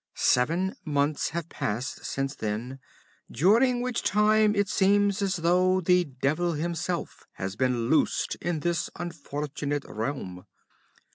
Seven months have passed since then, during which time it seems as though the devil himself had been loosed in this unfortunate realm.